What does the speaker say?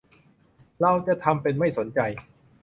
เราจะทำเป็นไม่สนใจ